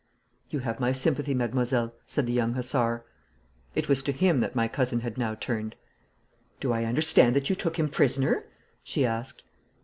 'You have my sympathy, mademoiselle,' said the young hussar. It was to him that my cousin had now turned. 'Do I understand that you took him prisoner?' she asked.